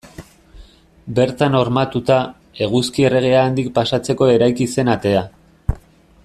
Bertan hormatuta, Eguzki Erregea handik pasatzeko eraiki zen atea.